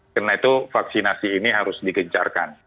karena itu vaksinasi ini harus dikejarkan